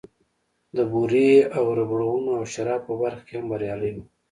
د بورې او ربړونو او شرابو په برخه کې هم بريالی و.